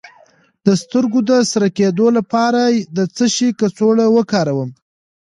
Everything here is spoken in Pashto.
د سترګو د سره کیدو لپاره د څه شي کڅوړه وکاروم؟